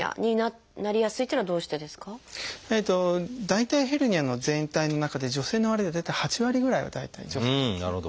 大腿ヘルニアの全体の中で女性の割合が大体８割ぐらいは大体女性です。